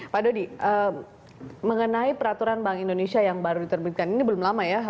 pak dodi mengenai peraturan bank indonesia yang baru diterbitkan ini belum lama ya